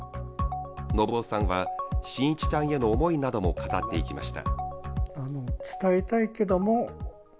信男さんは伸一ちゃんへの思いなども語っていきました。